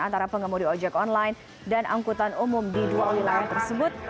antara pengemudi ojek online dan angkutan umum di dua wilayah tersebut